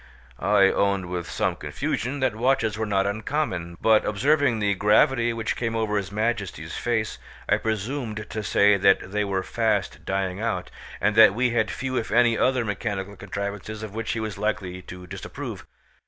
I owned with some confusion that watches were not uncommon; but observing the gravity which came over his Majesty's face I presumed to say that they were fast dying out, and that we had few if any other mechanical contrivances of which he was likely to disapprove.